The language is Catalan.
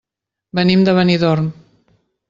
Venim de Benidorm.